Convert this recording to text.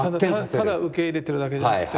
ただ受け入れてるだけじゃなくて。